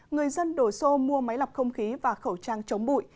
người dân đổ xô mua máy lọc không khí và khẩu trang chống bụi